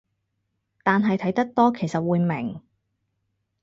但係睇得多其實會明